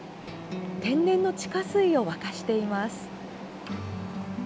天然の地下水を沸かしています。